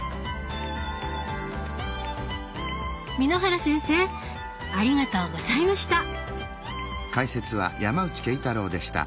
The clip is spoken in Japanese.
簑原先生ありがとうございました！